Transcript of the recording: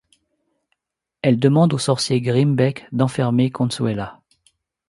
Elles demandent au sorcier Grimbeck d'enfermer Conçuela.